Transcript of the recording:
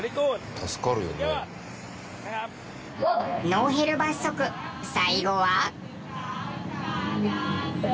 ノーヘル罰則最後は。